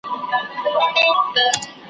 څوک سپېرې شونډي وتلي د چا ډکي پیمانې دي `